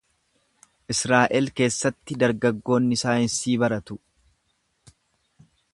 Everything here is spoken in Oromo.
Israa’el keessatti dargaggoonni saayinsii baratu.